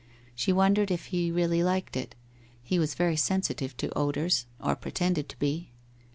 She wondered if he really liked it, he was very sensitive to odours or pretended to be.